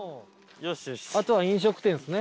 あとは飲食店ですね。